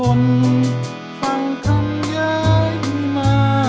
ฟังคำย้ายขึ้นมา